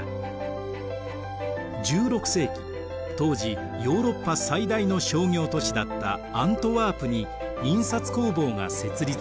当時ヨーロッパ最大の商業都市だったアントワープに印刷工房が設立されます。